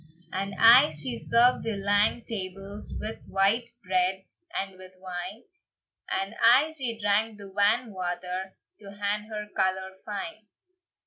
And aye she served the lang tables With white bread and with wine, And aye she drank the wan water, To had her colour fine.